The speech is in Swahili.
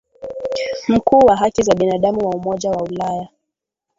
Mkuu wa haki za binadamu wa Umoja wa Ulaya.